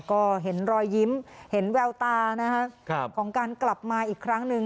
ก็เห็นรอยยิ้มเห็นแววตานะคะของการกลับมาอีกครั้งหนึ่ง